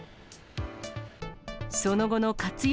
その後の活用